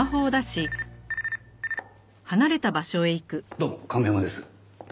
どうも亀山です。